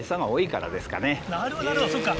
なるほどなるほどそっか。